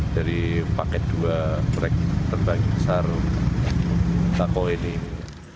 dari paket dua beragam terbagi besar untuk bakauheni ini